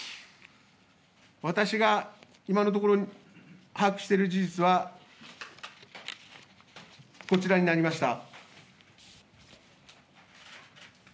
私が、今のところ把握している事実は、こちらになりました。